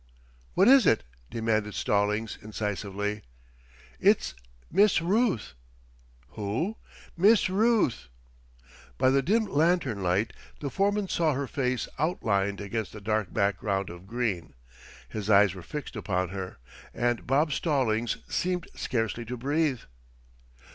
"What is it?" demanded Stallings incisively. "It's Miss Ruth!" "Who?" "Miss Ruth " By the dim lantern light the foreman saw her face outlined against the dark background of green. His eyes were fixed upon her, and Bob Stallings seemed scarcely to breathe.